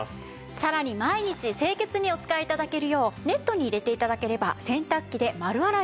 さらに毎日清潔にお使い頂けるようネットに入れて頂ければ洗濯機で丸洗いが可能なんです。